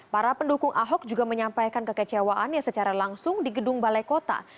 para pendukung ahok juga menyampaikan kekecewaannya secara langsung di gedung balai kota